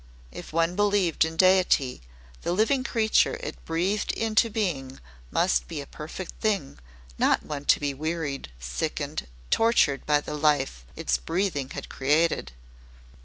If one believed in Deity, the living creature It breathed into being must be a perfect thing not one to be wearied, sickened, tortured by the life Its breathing had created.